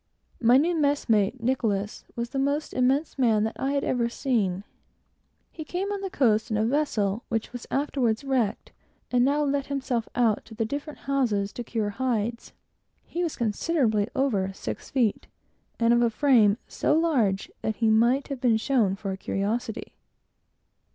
My new messmate, Nicholas, was the most immense man that I had ever seen in my life. He came on the coast in a vessel which was afterwards wrecked, and now let himself out to the different houses to cure hides. He was considerably over six feet, and of a frame so large that he might have been shown for a curiosity.